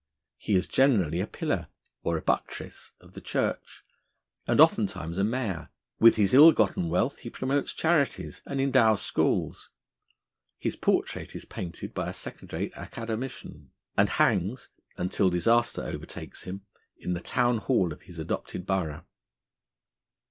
He is generally a pillar (or a buttress) of the Church, and oftentimes a mayor; with his ill gotten wealth he promotes charities, and endows schools; his portrait is painted by a second rate Academician, and hangs, until disaster overtakes him, in the town hall of his adopted borough.